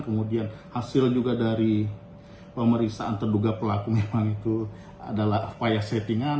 kemudian hasil juga dari pemeriksaan terduga pelaku memang itu adalah upaya settingan